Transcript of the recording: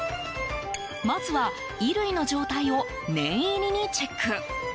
まずは、衣類の状態を念入りにチェック。